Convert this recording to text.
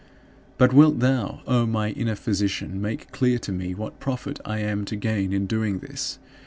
4. But wilt thou, O my inner Physician, make clear to me what profit I am to gain in doing this?